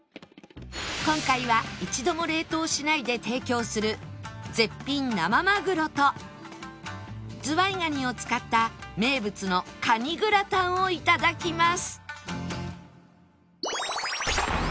今回は一度も冷凍しないで提供する絶品生マグロとズワイガニを使った名物のカニグラタンを頂きます